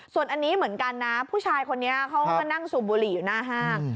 ส่วนอันนี้เหมือนกันนะผู้ชายคนนี้เขาก็มานั่งสูบบุหรี่อยู่หน้าห้าง